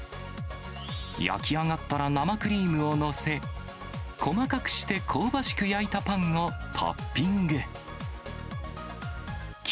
焼き上がったら生クリームを載せ、細かくして香ばしく焼いたパンをトッピング。